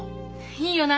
いいよな。